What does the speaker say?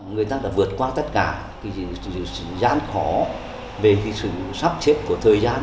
người ta đã vượt qua tất cả cái gián khó về cái sự sắp chết của thời gian